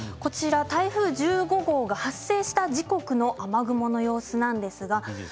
台風１５号が発生した時刻の雨雲の様子です。